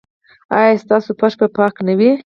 ایا ستاسو فرش به پاک نه وي؟